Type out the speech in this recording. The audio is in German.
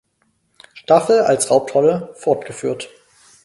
Staffel als Hauptrolle fortgeführt.